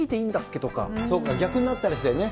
そっか、逆になったりしてね。